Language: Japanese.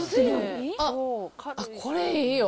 あっ、これいいよ。